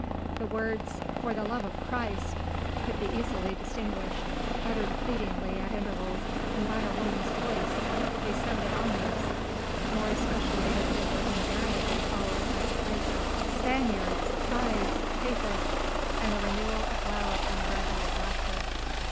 The words "for the love of Christ!" could be easily distinguished; uttered pleadingly at intervals and by a woman's voice they sounded ominous, more especially as they were invariably followed by cries of "Spaniards! Spies! Papists!" and a renewal of loud and ribald laughter.